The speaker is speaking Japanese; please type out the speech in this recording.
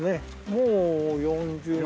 もう４０年。